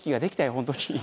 本当に。